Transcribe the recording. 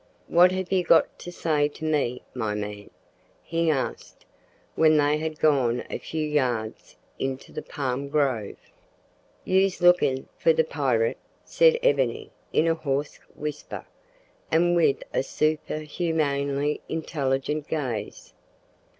"What have you got to say to me, my man?" he asked, when they had gone a few yards into the palm grove. "You's lookin' for the pirit!" said Ebony in a hoarse whisper, and with a superhumanly intelligent gaze.